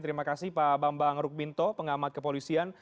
terima kasih pak bambang rukminto pengamat kepolisian